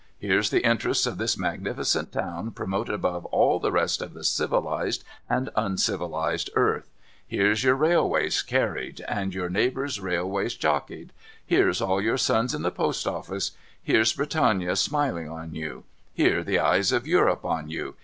Here's the interests of this magnificent town promoted above all the rest of the civilised and uncivilised earth. Here's your railways carried, and your neighl)ours' railways jockeyed. Here's all your sons in the Post oftke. Here's Ikitannia smiling on you. Here's the eyes of Europe on you.